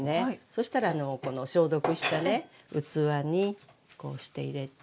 そしたらこの消毒したね器にこうして入れて。